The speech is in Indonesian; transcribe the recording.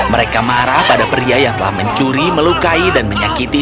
mereka marah pada pria yang telah mencuri melukai dan menyakiti